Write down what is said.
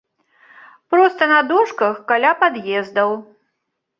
Проста на дошках каля пад'ездаў.